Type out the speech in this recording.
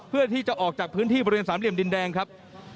เพื่อที่จะออกจากพื้นที่บริเวณสามเหลี่ยมดินแดงครับ